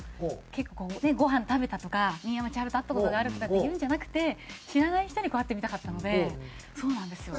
結構「ごはん食べた」とか「新山千春と会った事がある」とかっていうんじゃなくて知らない人に会ってみたかったのでそうなんですよ。